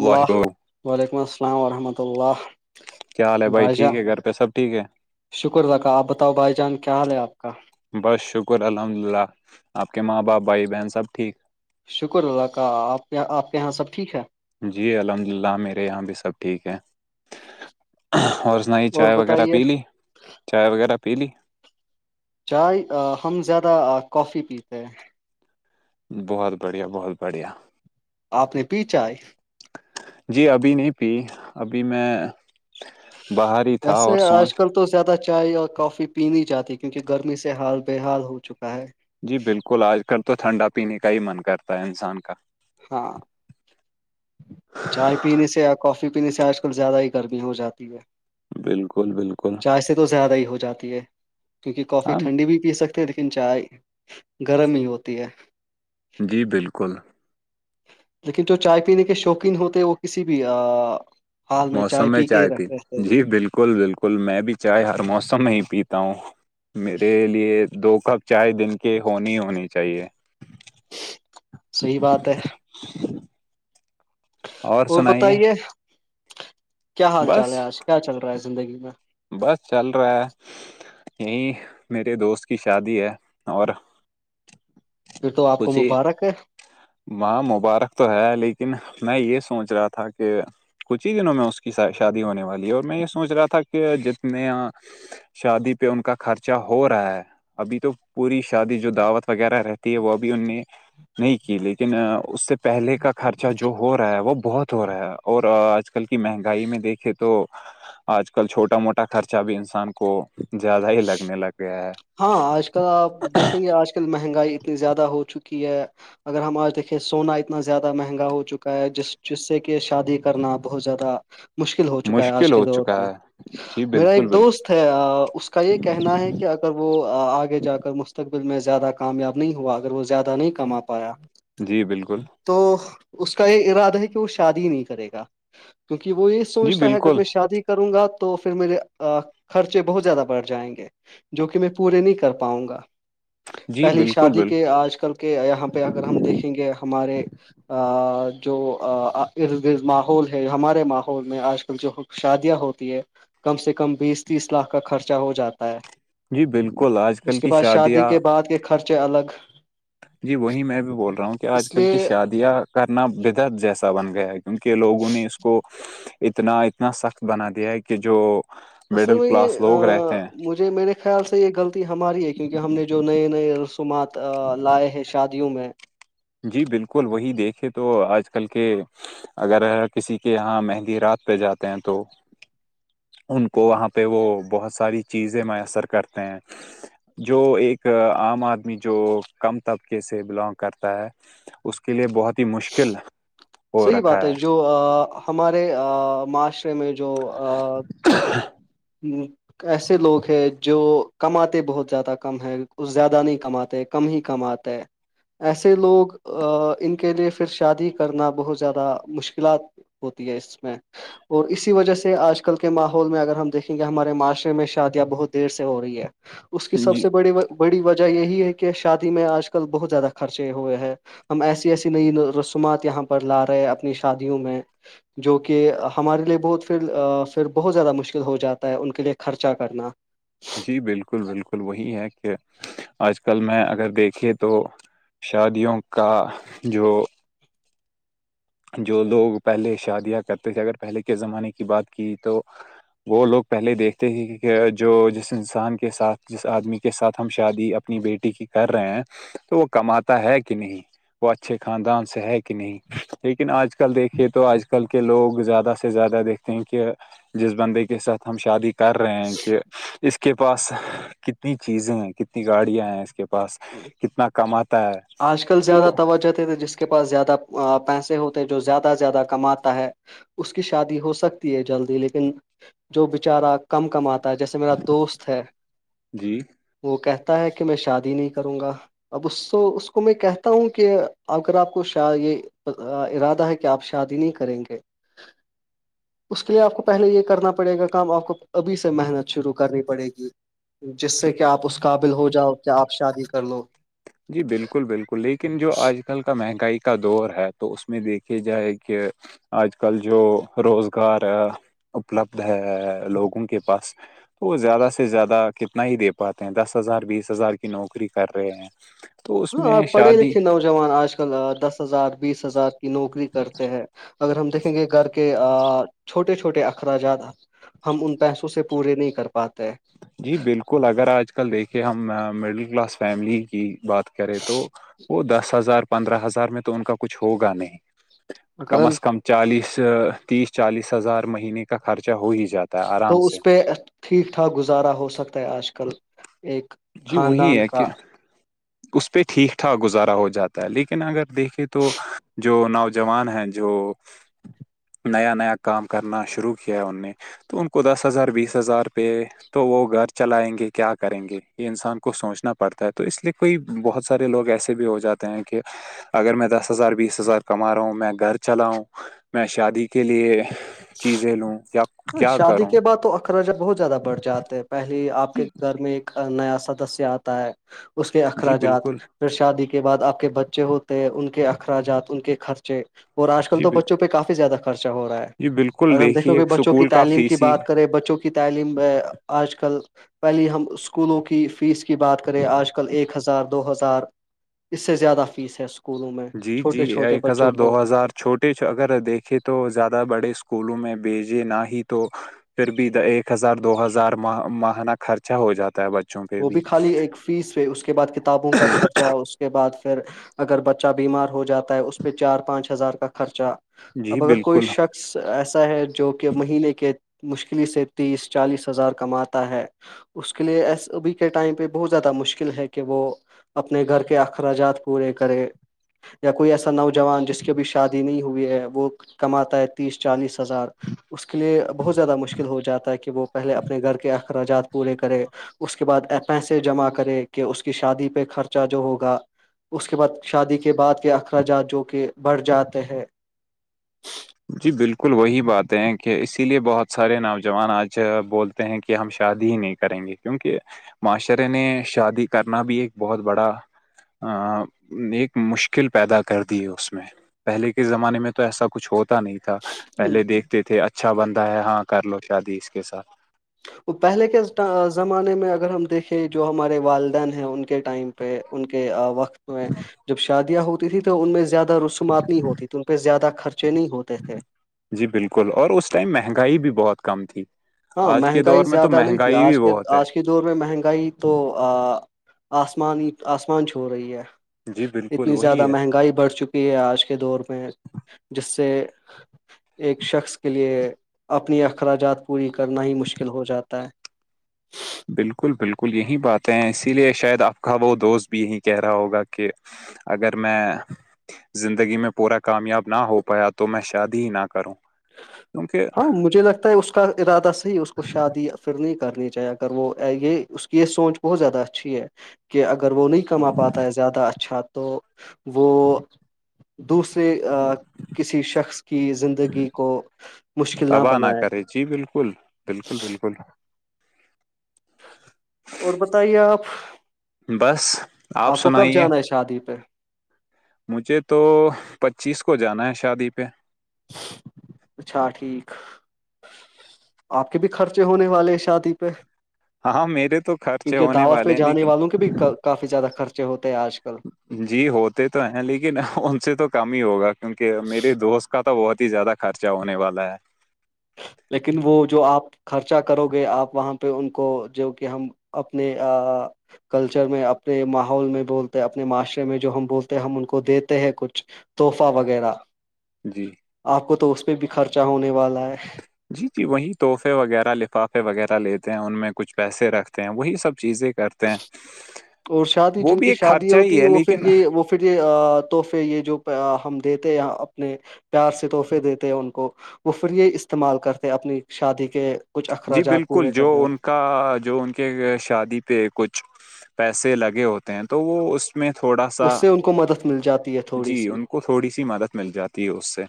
اللہ وعلیکم السلام ورحمۃ اللہ کیا حال ہے بھائی ٹھیک جان ہے گھر پہ سب ٹھیک ہے شکر تھا کا آپ بتاؤ بھائی جان کیا حال ہے آپ کا بس شکر الحمد للہ آپ کے ماں باپ بھائی بہن سب ٹھیک شکر اللہ کا آپ کے آپ کے یہاں سب ٹھیک ہے جی الحمد للہ میرے یہاں بھی سب ٹھیک ہے اور اسن ہی اور چائے وغیرہ بتائیے پی لی چائے وغیرہ پی لی چائے ہم زیادہ کافی پیتے ہیں بہت بڑھیا بہت بڑھیا آپ نے پیچھا آئے جی ابھی نہیں پی ابھی میں باہر تھا جیسے اور آج سوچ کل تو زیادہ چائے اور کافی پین جاتی کیونکہ گرمی سے ہال بے حال ہو چکا ہے جی بالکل آج کل تو ٹھنڈا پینے کا ہی من کرتا ہے انسان کا ہاں چائے پینے سے یا کافی پینے سے آج کل زیادہ ہی گرمی ہو جاتی ہے بالکل بالکل ایسے تو زیادہ ہی ہو جاتی ہے کیونکہ کافی ہاں ٹھنڈی بھی پی سکتی لیکن چائے گرم ہی ہوتی ہے جی بالکل لیکن جو چائے پینے کے شوقین ہوتے وہ کسی بھی حال موسم میں پی کے ہی چائے رکھ رہتے ہیں پینے جی بالکل بالکل میں بھی چائے ہر موسم میں ہی پیتا ہوں میرے لیے دو کپ چائے دن کے ہونی ہونی چاہیے صحیح بات ہے [inaudible] اور بتائیے کیا حال بس چال ہے آج کیا چل رہا ہے زندگی میں بس چل رہا ہے یہیں میرے دوست کی شادی ہے اور پھر تو آپ کو کچھ ہی مبارک ہے وہاں مبارک تو ہے لیکن میں یہ سوچ رہا تھا کہ کچھ ہی دنوں میں اس کی شادی ہونے والی ہے اور میں یہ سوچ رہا تھا کہ جتنے شادی پہ ان کا خرچہ ہو رہا ہے ابھی تو پوری شادی جو دعوت وغیرہ رہتی ہے وہ ابھی ان نے نہیں لیکن اس سے پہلے کا خرچہ جو ہو رہا ہے وہ بہت ہو رہا ہے اور آج کل کی مہنگائی میں دیکھے تو آج کل چھوٹا موٹا خرچہ بھی انسان کو زیادہ ہی لگنے لگ گیا ہے ہاں آج کل آپ دیکھیں گے آج کل مہنگائی اتنی زیادہ ہو چکی ہے اگر ہم آج دیکے سونا اتنا زیادہ مہنگا ہو چکا ہے جس جس سے کہ شادی کرنا بہت زیادہ مشکل ہو چکا ہے آج مشکل کے ہو دور چکا میں ہے جی میرا بالکل ایک بالکل دوست ہے اس کا یہ کہنا ہے کہ اگر اگر وہ آگے جا کر مستقبل میں زیادہ کامیاب نہیں ہوا اگر وہ زیادہ نہیں کما پایا جی بالکل تو اس کا یہ ارادہ ہے کہ وہ شادی نہیں کرے گا کیونکہ وہ یہ جی سوچتا ہے اگر بالکل میں شادی کروں گا تو پھر میرے خرچے بہت زیادہ بڑھ جائیں گے جو کہ میں پورے نہیں کر پاؤں گا جی پہلی بالکل شادی بالکل کے آج کل کہ یہاں پہ اگر ہم دیکھیں گے ہمارے آ جو ماحول ہے ہمارے ماحول میں آج کل جو شادیاں ہوتی ہے کم سے کم بیس تیس لاکھ کا خرچہ ہو جاتا ہے جی بالکل آج اس کل کے کی بعد شادی شادیاں کے بعد کے خرچے الگ جی وہی میں بھی بول رہا ہوں کہ آج اس کل کی لیے شادیاں کرنا بدعت جیسا بن گیا ہے کہ کی کے لوگوں نے اس کو اتنا اتنا سخت بنا دیا ہے کہ جو اصل مڈل میں یہ کلاس لوگ رہتے ہیں مجھے میرے خیال سے یہ غلطی ہماری ہے کیونکہ ہم نے جو نئے نئے رسومات لائے ہیں شادیوں میں جی بالکل وہی دیکھے تو آج کل کے اگر کسی کے یہاں مہندی رات پہ جاتے ہیں تو ان کو وہاں پہ وہ بہت ساری چیزیں میسر کرتے ہیں جو ایک عام آدمی جو کم طبقے سے بلانگ کرتا ہے اس کے لیے بہت ہی مشکل ہو صحیح بات رکھا ہے جو ہمارے معاشرے میں جو [inaudible] ایسے لوگ ہے جو کماتے بہت زیادہ کم ہے کچ زیادہ نہیں کماتے کم ہی کم آتا ہے ایسے لوگ ان کے لیے پھر شادی کرنا بہت زیادہ مشکلات ہوتی ہے اس میں اور اسی وجہ سے آج کل کے ماحول میں اگر ہم دیکھیں کہ ہمارے معاشرے میں شادیاں بہت دیر سے ہو رہی ہے اس کی ہے سب جی سے بڑی بڑی وجہ یہی ہے کہ شادی میں آج کل بہت زیادہ خرچے ہوئے ہیں ہم ایسی ایسی نئی رسومات یہاں پر لا رہے اپنی شادیوں میں جو کہ ہمارے لیے بہت پھر پھر بہت زیادہ مشکل ہو جاتا ان کے لیے خرچہ کرنا جی بالکل بالکل وہی ہے کہ آج کل آج کل میں اگر دیکھے تو شادیوں کا جو جو لوگ پہلے شادیاں کرتے تھے اگر پہلے کے زمانے کی بات کی تو وہ لوگ پہلے دیکھتے تھ کہ جو جس انسان کے ساتھ جس آدمی کے ساتھ ہم شادی اپنی بیٹی کی کر رہے ہیں تو وہ کماتا ہے کہ نہیں وہ اچھے خاندان سے ہے کہ نہیں لیکن آج کل دیکھیے تو آج کل کے لوگ زیادہ سے زیادہ دیکھتے ہیں کہ جس بندے کے ساتھ ہم شادی کر رہے ہیں کہ اس کے پاس کتنی چیزیں ہیں کتنی گاڑیاں ہیں اس کے پاس کتنا کمات آج کل زیادہ توجہتے تھے جس کے پاس زیادہ پیسے ہوتے ہیں جو زیادہ سے زیادہ کماتا ہے اس کی شادی ہو سکتی ہے جلدی لیکن جو بیچارہ کم کم آتا ہے جیسے میرا دوست ہے جی وہ کہتا ہے کہ میں شادی نہیں کروں گا اب اس اس اس کو میں کہتا ہوں کہ اگر آپ کو شا یہ ارادہ ہے کہ آپ شادی نہیں کریں گے اس کے لیے آپ کو پہلے یہ کرنا پڑے گا کام آپ کو ابھی سے محنت شروع کرنی پڑے گی جس سے کہ آپ اس قابل ہو جاؤ کہ آپ شادی کر لو جی بالکل بالکل لیکن جو آج کل کا مہنگائی کا دور ہے تو اس میں دیکھیے جائے کہ آج کل جو روزگار اپلبد ہے لوگوں کے پاس تو وہ زیادہ سے زیادہ کتنا ہی دے پاتے ہیں دس ہزار بیس ہزار کی نوکری کر رہے ہیں تو اس ہاں میں پڑھے شادی لکھے نوجوان آج کل دس ہزار بیس ہزار نوکری کرتے ہیں اگر ہم دیکھیں گے گھر کے چھوٹے چھوٹے اخراجات ہم ان پیسوں سے پورے نہیں کر پاتے جی بالکل اگر آج کل دیکھے ہم مڈل کلاس فیملی کی بات کرے تو وہ دس ہزار پندرہ ہزار میں تو ان کا کچھ ہوگا نہیں اگر کم ہم از کم چالیس تیس چالیس ہزار مہینے کا خرچہ ہو ہی جاتا ہے تو آرام اس سے پہ ٹھیک ٹھاک گزارا ہو سکتا ہے آج کل ایک جی وہی خاندان ہے کہ کا اس پہ ٹھیک ٹھاک گزارا ہو جاتا ہے لیکن اگر دیکھے تو جو نوجوان ہیں جو [inaudible] نیا نیا کام کرنا شروع کیا ہے ان نے تو ان کو دس ہزار بیس ہزار پہ تو وہ گھر چلائیں گے کیا کریں گے یہ انسان کو سوچنا پڑتا ہے تو اس لیے کوئی بہت سارے لوگ ایسے بھی ہو جاتے ہیں کہ اگر میں دس ہزار بیس ہزار کما رہا ہوں میں گھر چلاؤں میں شادی کے لیے چیزیں لوں یا کیا شادی کروں کے بعد تو اخراجات بہت زیادہ بڑھ جاتے پہلے آپ کے جی گھر میں ایک نیا سدسیہ آتا ہے اس کے جی اخراجات بالکل پھر شادی کے بعد آپ کے بچے ہوتے ہیں ان کے اخراجات ان کے خرچے اور آج کل جی تو بچوں پہ کافی زیادہ خرچہ ہو رہا ہے جی بالکل اگر ہم دیکھو گ دیکھیے کہ بچوں کی اسکول کا تعلیم کی فیس ہی بات بچوں کی تعلیم میں آج کل پہلی ہم اسکولوں کی فیس کی بات کریں آج کل ایک ہزار دو ہزار اس سے زیادہ فیس ہے اس کو جی جی ایک ہزار دو ہزار چھوٹے چ اگر دیکھے تو زیادہ بڑے اسکولوں میں بھیجے نہ ہی تو پھر بھی ایک ہزار دو ہزار مہانہ خرچہ ہو جاتا ہے ب وہ بھی خالی ایک فیس پہ اس کے بعد کتابوں کا خرچہ اس کے بعد پھر اگر بچہ بیمار ہو جاتا ہے اس پہ چار پانچ ہزار کا خرچہ جی اب اگر کوئی بالکل شخص ایسا ہے جو کہ مہینے کے مشکل سے تیس چالیس ہزار کماتا ہے اس کے لیے ایس ابھی کے ٹائم پہ بہت زیادہ مشکل ہے کہ وہ اپنے گھر کے اخراجات پورے کرے یا کوئی ایسا نوجوان جس کی ابھی شادی نہیں ہوئی ہے وہ کماتا ہے تیس چالیس ظار اس کے لیے بہت زیادہ مشکل ہو جاتا ہے کہ وہ پہلے اپنے گھر کے اخراجات پورے کرے اس کے بعد پیسے جمع کرے کہ اس کی شادی پہ خرچہ جو ہوگا اس کے بعد شادی کے بعد کے اخراجات جو کہ بڑھ جاتے ہے جی بالکل وہی بات ہے کہ اسی لیے بہت سارے نوجوان آج بول ہیں کہ ہم شادی ہی نہیں کریں گے کیونک معاشرے نے شادی کرنا بھی ایک بہت بڑا ایک مشکل پیدا کر دی اس میں پہلے کے زمانے میں تو ایسا کچھ ہوتا تا نہیں تھا پہلے دیکھتے تھے اچھا بندہ ہے ہاں کر لو شادی اس کے ساتھ پہلے کے زمانے میں اگر ہم دیکھیں جو ہمارے والدین ہیں ان کے کے ٹائم پہ ان کے وقت میں جب شادیاں ہوتی تھیں تو ان میں زیادہ رو سمات نہیں ہوتی تو ان پہ زیادہ خرچے نہیں ہوتے تھے جی بالکل اور اس ٹائم مہنگائی بھی بہت کم تھی ہاں آج کے مہنگائی دور میں تو زیادہ نہیں تھی مہنگائی بھی آج کے بہت ہے آج کے کے دور میں مہنگائی تو آسمان آسمان چھو رہی ہے جی بالکل اتنی زیادہ وہی ہے مہنگائی بڑھ چکی ہے آج کے دور میں جس سے ایک شخص کے لیے اپنی اخراجات پوری کرنا ہی مشکل ہو جاتا ہے بالکل بالکل یہی باتیں ہیں اسی لیے شاید آپ کا وہ دوست بھی یہی کہہ رہا ہوگا کہ اگر میں زندگی میں پورا کامیاب نہ ہو پایا تو میں شادی ہی نہ کروں کیونکہ ہاں مجھے لگتا ہے اس کا ارادہ صحی اس کو شادی پھر نہیں کرنی چاہے اگر وہ یہ اس کی یہ سوچ بہت زیادہ اچھی ہے کہ اگر وہ نہیں کما پاتا ہے زیادہ اچھا تو وہ دوسرے کسی شخص کی زندگی کو مشکل تباہ نہ بنائے کرے جی بالکل بالکل بالکل اور بتائیے آپ بس آپ کو کب سنائیے جانا ہے شادی پہ مجھے تو پچیس کو جانا ہے شادی پہ اچھا ٹھیک آپ کے بھی خرچے ہونے والے ہیں شادی پہ ہاں میرے تو خرچے کیونکہ ہونے دعوت والے پہ ہیں جانے لیکن والوں کے بھی کافی زیادہ خرچے ہوتے ہیں آج کل جی ہوتے تو ہیں لیکن ان سے تو کام ہی ہوگا کیونکہ میرے دوست کا تو بہت ہی زیادہ خرچہ ہونے والا ہے لیکن وہ جو آپ خرچا کرو گے آپ وہاں پہ ان کو جو کہ ہم اپنے کلچر میں اپنے ماحول میں بولتے ہیں اپنے معاشرے میں جو ہم بولتے ہیں ہم ان کو دیتے ہیں کچھ تحفہ وغیرہ جی آپ کو تو اس پہ بھی خرچہ ہونے والا ہے جی جی وہی تحفے وغیرہ لفافے وغیرہ لیتے ہیں ان میں کچھ پیسے رکھتے ہیں وہی سب چیزیں کرتے ہیں اور شادی وہ جن بھی کی ایک شادیا خرچہ ہی ہوتی ہے وہ پھر لیکن یہ وہ [unintelligible] پھر یہ تحفے یہ جو ہم دیتے اپنے پیار سے تحفے دیتے ہیں ان کو وہ پھر یہ استعمال کرتے اپنی شادی کے کچھ جی اخراجات بالکل پورے جو کرنے میں ان کا جو ان کے شادی پہ کچھ پیسے لگے ہوتے ہیں تو وہ اس اس میں تھوڑا سا اس سے ان کو مدد مل جاتی ہے تھوڑی جی سی ان کو تھوڑی سی مدد مل جاتی ہے اس سے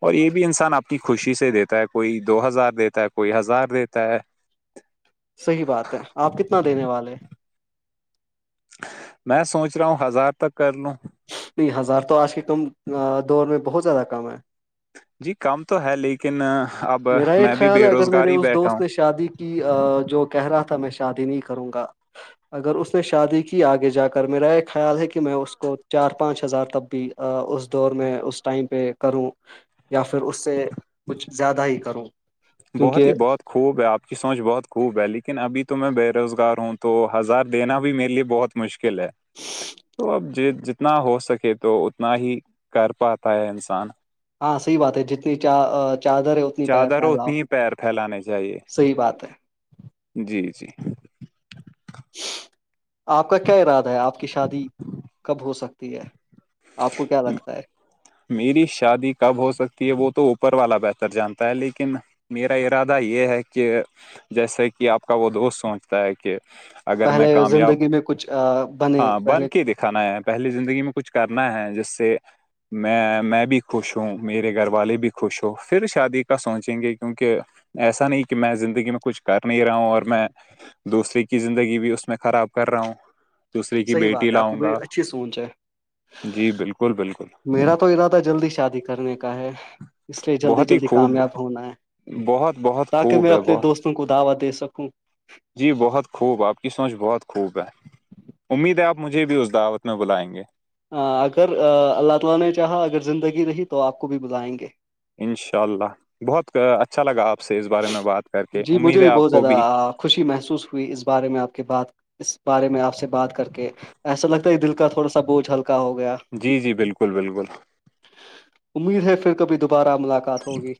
اور یہ بھی انسان آپ کی خوشی سے دیتا ہے کوئی دو ہزار دیتا ہے کوئی ہزار دیتا ہے صحیح بات ہے آپ کتنا دینے والے میں سوچ رہا ہوں ہزار تک کر لوں نہیں ہزار تو آج کے کم دور میں بہت زیادہ کم ہے جی کام تو ہے لیکن آپ [unintelligible] میرا یہ خیال ہے اگر میرے اس دوست نے شادی کہ جو کہہ رہا تھا میں شادی نہیں کروں گا اگر اس نے شادی کی آگے جا کر میرا یہ خیال ہے کہ میں اس کو چار پانچ ہزار تک بھی اس دور میں اس ٹائم پہ کروں یا پھر اس سے کچھ زیادہ ہی کرو بہت ہی بہت خوب ہے آپ کی سوچ بہت خوب ہے لیکن ابھی تو میں بے روزگار ہوں تو ہزار دینا بھی میرے لیے بہت مشکل ہے تو اب ج جتنا ہو سکے تو اتنا ہی کر پاتا ہے انسان [unintelligible] ہاں صحی بات ہے جتنی چ چادر ہے پہ چادر ہو فھیلاؤ اتنی ہی پیر پھیلانے چاہیے صحیح بات ہے [unintelligible] جی جی آپ کا کیا ارادہ ہے آپ کی شادی کب ہو سکتی ہے آپ کو کیا لگتا ہے میری شادی کب ہو سکتی ہے وہ تو اوپر والا بہتر جانتا ہے لیکن میرا ارادہ یہ ہے کہ جیسے کہ آپ کا وہ دوست سوچتا ہے کہ اگر میں پہلے کامیاب زندگی میں کچھ بنے ہاں پہلے بن کے دکھانا ہے پہلی زندگی میں کچھ کرنا ہے جس سے میں میں بھی خوش ہوں میرے گھر والے بھی خوش ہووں پھر شادی کا سوچیں گے کیونکہ ایسا نہیں کہ میں زندگی میں کچھ کر نہیں رہا ہوں اور میں دوسرے کی زندگی بھی اسس میں خراب کر رہا ہوں دوسرے کی صحیح بیٹی بات ہے آپ کی لاؤں بڑی گا اچھی سوچ ہے جی بالکل بالکل میرا تو ارادہ جلدی شادی کرنے کا ہے اس لیے جلدی بہت ہی جلدی خوب کامیاب ہونا ہے بہت بہت تاکہ خوب میں ہے اپنے بہت دوستوں کو دعوی دے سکوں جی بہت خوب آپ کی سوچھ بہت خوب ہے امید ہے آپ مجھے بھی اس دعوت میں بلائیں گے اگر اللہ تعالی نے چاہا اگر زندگی رہی تو آپ کو بھی بلائیں گے انشاء اللہ بہت اچھا لگا آپ سے اس بارے میں بات کر کے جی مجھے امید ہے بھی آپ بہت کو زیادہ بھی خوشی محسوس ہوئی اس بارے میں آپ کی بات اس بارے میں آپ سے بات کر کے ایسا لگتا ہے دل کا تھوڑا سا بوجھ ہلکا ہو گیا جی جی بالکل بالکل امید ہے پھربھی دوبارہ ملاقات ات ہوگی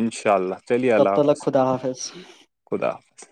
انشاء اللہ چلیے تب اللہ تلک حافظ خدا حافظ [unintelligible] خدا حافظ